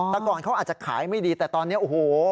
แต่ก่อนเขาอาจจะขายไม่ดีแต่ตอนนี้โอ้โห